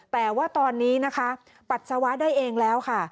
แต่ว่าตอนนี้นะคะปัสสาวะได้เองแล้วค่ะ